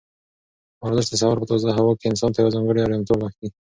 ورزش د سهار په تازه هوا کې انسان ته یوه ځانګړې ارامتیا وربښي.